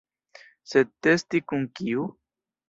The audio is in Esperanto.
Sed testi kun kiu?